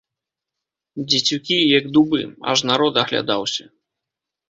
Дзецюкі, як дубы, аж народ аглядаўся.